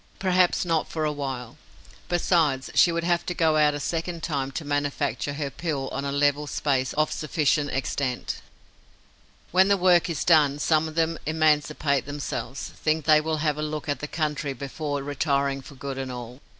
Perhaps not, for a while. Besides, she would have to go out a second time, to manufacture her pill on a level space of sufficient extent. When the work is done, some of them emancipate themselves, think they will have a look at the country before retiring for good and all.